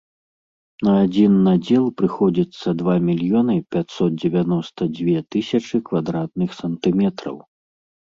На адзін надзел прыходзіцца два мільёны пяцьсот дзевяноста дзве тысячы квадратных сантыметраў!